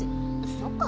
そっか。